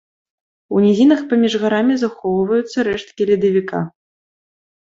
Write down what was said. У нізінах паміж гарамі захоўваюцца рэшткі ледавіка.